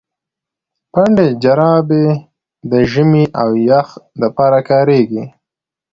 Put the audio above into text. پنډي جراپي د ژمي او يخ د پاره کاريږي.